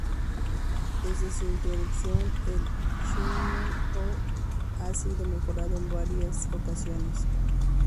Desde su introducción, el Ch'onma-Ho ha sido mejorado en varias ocasiones.